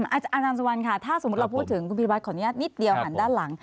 อาจารย์สุวรรณค่ะถ้าสมมุติเราพูดถึงคุณพิวัฒนขออนุญาตนิดเดียวหันด้านหลัง